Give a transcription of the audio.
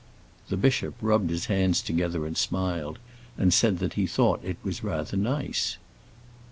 The bishop rubbed his hands together and smiled, and said that he thought it was rather nice.